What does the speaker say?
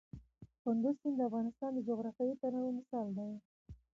کندز سیند د افغانستان د جغرافیوي تنوع مثال دی.